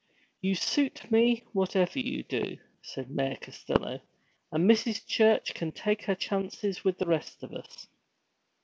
'You suit me, whatever you do,' said Mayor Costello, 'and Mrs. Church can take her chances with the rest of us.'